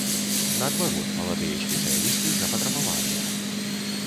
Наадварот, маладыя спецыялісты запатрабаваныя.